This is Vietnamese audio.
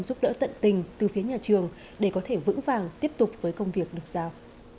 giúp đỡ tận tình từ phía nhà trường để có thể vững vàng tiếp tục với công việc được giao